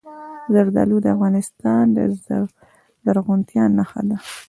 زردالو د افغانستان د زرغونتیا نښه ده.